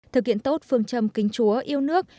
thực hiện tốt phương trầm kính chúa yêu nước